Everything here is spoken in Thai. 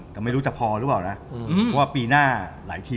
แต่ไม่รู้จะพอหรือเปล่านะเพราะว่าปีหน้าหลายทีม